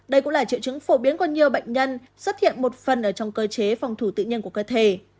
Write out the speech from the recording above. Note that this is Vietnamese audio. đây cũng là triệu chứng phổ biến của nhiều bệnh nhân xuất hiện một phần ở trong cơ chế phòng thủ tự nhiên của cơ thể